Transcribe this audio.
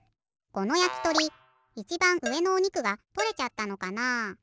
このやきとりいちばんうえのおにくがとれちゃったのかな？